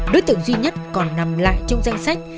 đối tượng duy nhất còn nằm lại trong danh sách